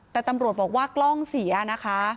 แต่ตำรวจบอกว่ากล้องเสียนะคะ